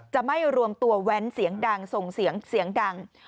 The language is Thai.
จะไม่รวมตัวแว้นเสียงดังส่งเสียงเสียงดัง